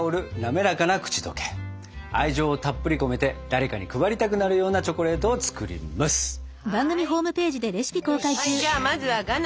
愛情をたっぷり込めて誰かに配りたくなるようなチョコレートを作ります！